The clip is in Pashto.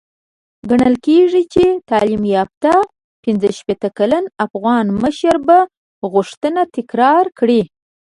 ګڼل کېږي چې تعليم يافته پنځه شپېته کلن افغان مشر به غوښتنه تکرار کړي.